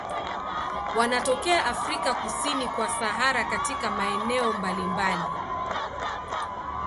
Wanatokea Afrika kusini kwa Sahara katika maeneo mbalimbali.